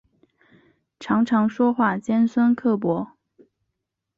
常常说话尖酸刻薄